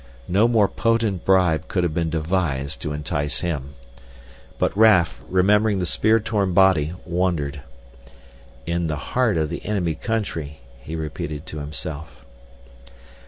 No more potent bribe could have been devised to entice him. But Raf, remembering the spear torn body, wondered. In the heart of the enemy country, he repeated to himself.